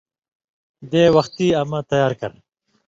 دے وختی اما تیار کرہ